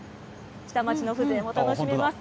下町の風情も楽しめます。